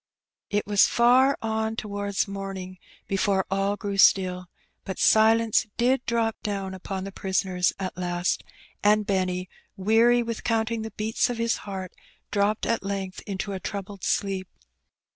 It was far on towards morning before all grew stilly but silence did drop down upon the prisoners at last; and Benny^ weary with counting the beats of bis hearty dropped at length into a troubled sleep.